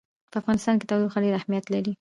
په افغانستان کې تودوخه ډېر اهمیت لري.